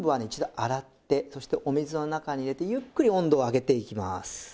一度洗ってそしてお水の中に入れてゆっくり温度を上げていきます。